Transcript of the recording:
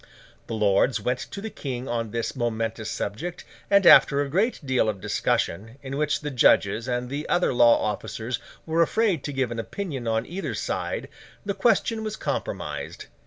The lords went to the King on this momentous subject, and after a great deal of discussion, in which the judges and the other law officers were afraid to give an opinion on either side, the question was compromised.